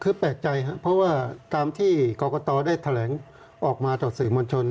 คือแปลกใจครับเพราะว่าตามที่กรกตได้แถลงออกมาต่อสื่อมวลชน